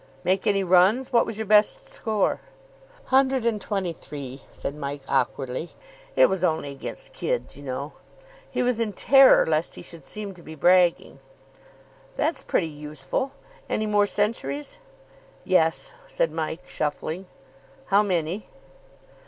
"Make any runs? What was your best score?" "Hundred and twenty three," said Mike awkwardly. "It was only against kids, you know." He was in terror lest he should seem to be bragging. "That's pretty useful. Any more centuries?" "Yes," said Mike, shuffling. "How many?"